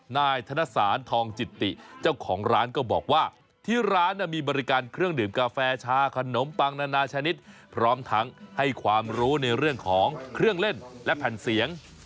นายธนสารทองจิตติเจ้าของร้านก็บอกว่าที่ร้านมีบริการเครื่องดื่มกาแฟชาขนมปังนานาชนิดพร้อมทั้งให้ความรู้ในเรื่องของเครื่องเล่นและแผ่นเสียง